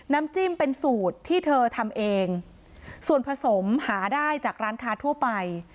น้ำจิ้มเป็นสูตรที่เธอทำเองส่วนผสมหาได้จากร้านค้าทั่วไป